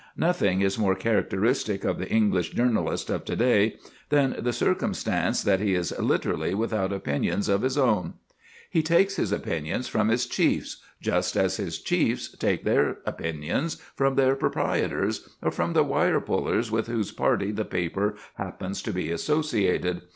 Nothing is more characteristic of the English journalist of to day than the circumstance that he is literally without opinions of his own. He takes his opinions from his chiefs, just as his chiefs take their opinions from their proprietors, or from the wire pullers with whose party the paper happens to be associated.